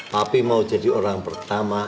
tapi mau jadi orang pertama